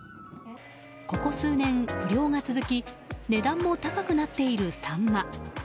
ここ数年、不漁が続き値段も高くなっているサンマ。